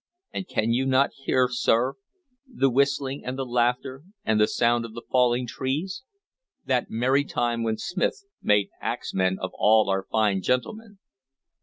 And can you not hear, sir, the whistling and the laughter and the sound of the falling trees, that merry time when Smith made axemen of all our fine gentlemen?"